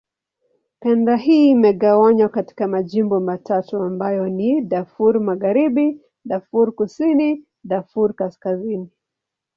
Kanda hii imegawanywa katika majimbo matatu ambayo ni: Darfur Magharibi, Darfur Kusini, Darfur Kaskazini.